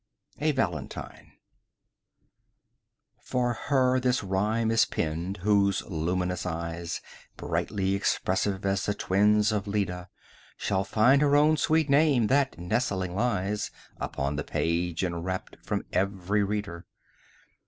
A VALENTINE For her this rhyme is penned, whose luminous eyes, Brightly expressive as the twins of Leda, Shall find her own sweet name, that nestling lies Upon the page, enwrapped from every reader.